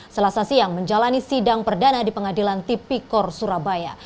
selasa siang menjalani sidang perdana di pengadilan tipikor surabaya